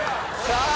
さあ